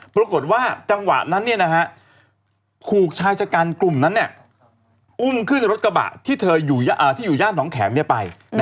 ปรากฏว่าจังหวะนั้นถูกชายชะกันกลุ่มนั้นอุ้มขึ้นรถกระบะที่อยู่ย่านน้องแข็มไป